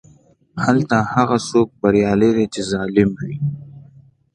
هلته هغه څوک بریالی دی چې ظالم وي.